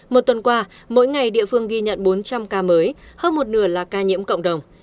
một tuần qua mỗi ngày địa phương ghi nhận bốn trăm linh ca mới hơn một nửa là ca nhiễm cộng đồng